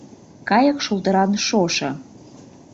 КАЙЫК ШУЛДЫРАН ШОШО